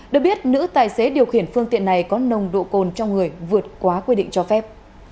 được biết nữ tài xế điều khiển phương tiện này có nồng độ cồn trong người vượt quá quy định cho phép